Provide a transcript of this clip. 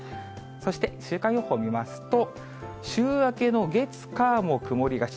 そして週間予報を見ますと、週明けの月、火、も曇りがち。